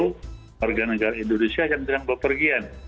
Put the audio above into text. orga orga negara indonesia yang sedang berpergian